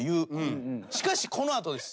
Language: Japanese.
しかしこの後です。